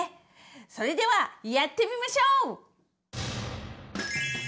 それではやってみましょう！